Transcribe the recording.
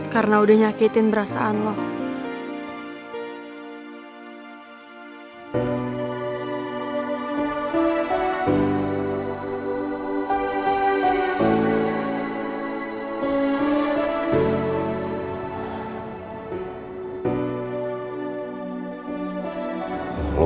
karena udah nyakitin perasaan lo